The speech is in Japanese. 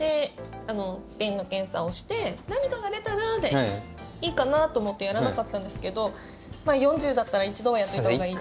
便の検査をして何かが出たらでいいかなと思ってやらなかったんですけど４０だったら一度はやっておいたほうがいい？